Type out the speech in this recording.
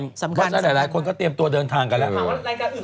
เพราะถ้าหลายคนก็เตรียมตัวเดินทางกันแล้ว